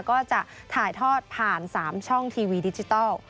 ก็จะถ่ายทอดผ่าน๓ช่องทีวีดิจิทัล